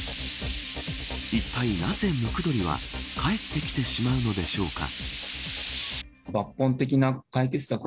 いったいなぜムクドリは帰ってきてしまうのでしょうか。